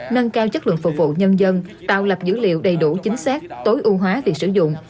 nâng cao chất lượng phục vụ nhân dân tạo lập dữ liệu đầy đủ chính xác tối ưu hóa việc sử dụng